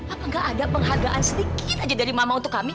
apa gak ada penghargaan sedikit aja dari mama untuk kami